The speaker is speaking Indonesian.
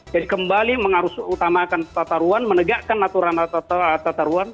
jadi kembali mengurus utamakan tatar ruang menegakkan aturan tatar ruang